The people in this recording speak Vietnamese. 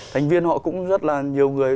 thành viên họ cũng rất là nhiều người